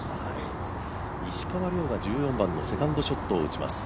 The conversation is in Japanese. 石川遼が１４番のセカンドショットを打ちます。